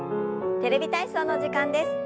「テレビ体操」の時間です。